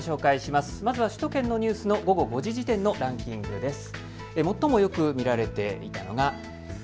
まずは首都圏のニュースの午後５時時点のランキングです。